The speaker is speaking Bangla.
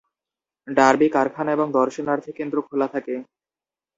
ডার্বি কারখানা এবং দর্শনার্থী কেন্দ্র খোলা থাকে।